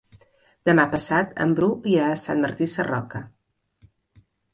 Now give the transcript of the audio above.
Demà passat en Bru irà a Sant Martí Sarroca.